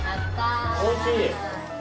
おいしい。